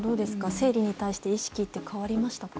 生理に対して意識って変わりましたか？